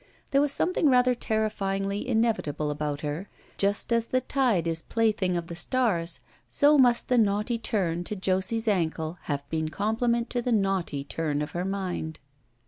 There was something rather terrifyingly inevitable about her. Just as the tide is plaything of the stars, so must the naughty turn to Josie's ankle have been comple ment to the naughty turn of her mind.